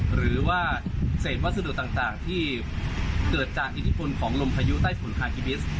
หรือว่าเศษวัสดุต่างที่เกิดจากอิทธิพลของลมพายุใต้ฝุ่นฮากิมิส